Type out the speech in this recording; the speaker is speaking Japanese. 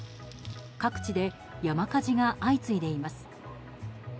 各地で山火事が相次いでいます。